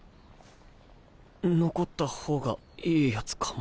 残った方がいいやつかも。